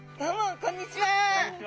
こんにちは。